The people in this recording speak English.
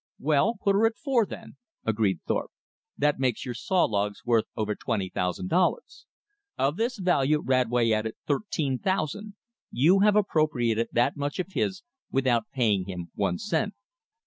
"Well, put her at four, then," agreed Thorpe. "That makes your saw logs worth over twenty thousand dollars. Of this value Radway added thirteen thousand. You have appropriated that much of his without paying him one cent."